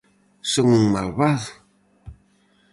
Son un malvado?